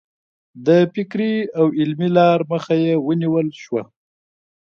د فکري او علمي لار مخه یې ونه نیول شوه.